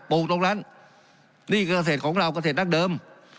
ลูกตรงนั้นหนี้เกษตรของเราเกษตรนักเดิม